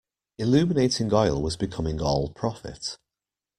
Illuminating oil was becoming all profit.